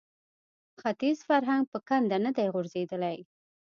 ختیز فرهنګ په کنده نه دی غورځېدلی